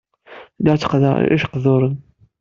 Lliɣ tteqqdeɣ ijeqduren.